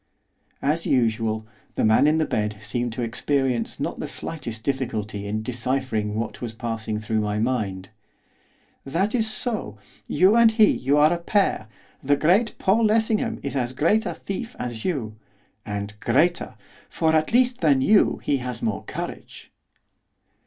As usual, the man in the bed seemed to experience not the slightest difficulty in deciphering what was passing through my mind. 'That is so, you and he, you are a pair, the great Paul Lessingham is as great a thief as you, and greater! for, at least, than you he has more courage.